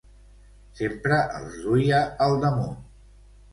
Sempre els duia al damunt.